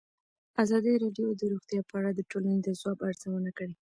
ازادي راډیو د روغتیا په اړه د ټولنې د ځواب ارزونه کړې.